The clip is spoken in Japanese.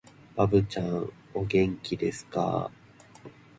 ばぶちゃん、お元気ですかー